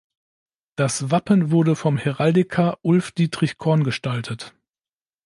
Das Wappen wurde vom Heraldiker Ulf-Dietrich Korn gestaltet.